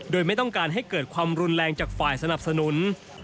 โดยไม่ต้องการให้เกิดความรุนแรงจากฝ่ายสนับสนุน